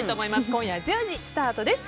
今夜１０時スタートです。